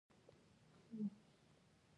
د ښارونو د اړتیاوو لپاره ځینې اقدامات کېږي.